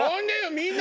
みんな。